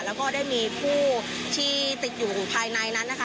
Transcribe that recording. แล้วก็ได้มีผู้ที่ติดอยู่ภายในนั้นนะคะ